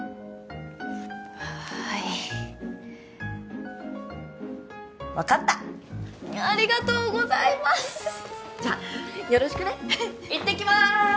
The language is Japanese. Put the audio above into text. はい分かったありがとうございますじゃあよろしくねはい行ってきます